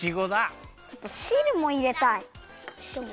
ちょっとしるもいれたい！